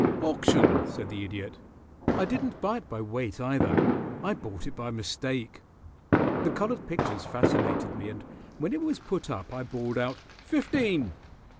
"Auction," said the Idiot. "I didn't buy it by weight, either. I bought it by mistake. The colored pictures fascinated me, and when it was put up I bawled out 'fifteen.'